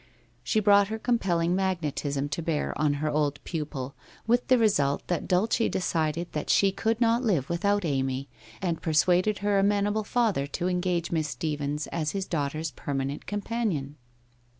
She brought her compelling magnetism to bear on her old pupil, with the result that Dulce decided that she could not live with out Amy, and persuaded her amenable father to engage Miss Stephens as his daughter's permanent companion.